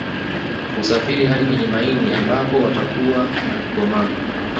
Husafiri hadi kwenye maini ambako watakua na kukomaa